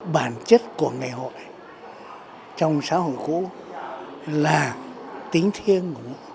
bản chất của ngày hội trong xã hội cũ là tính thiêng